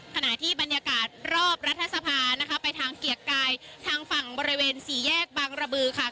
ขณะที่บรรยากาศรอบรัฐสภานะคะไปทางเกียรติกายทางฝั่งบริเวณสี่แยกบางระบือค่ะ